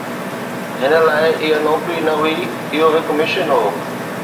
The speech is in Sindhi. هن لاءِ اها نوڪري نه هئي، اهو هڪ مشن هو.